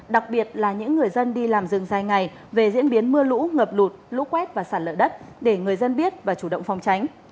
đặc biệt là những người dân đi làm rừng dài ngày về diễn biến mưa lũ ngập lụt lũ quét và sản lở đất để người dân biết và chủ động phòng tránh